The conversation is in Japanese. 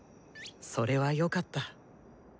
それはよかった。